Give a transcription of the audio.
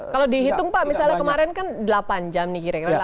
kalau dihitung pak misalnya kemarin kan delapan jam nih kira kira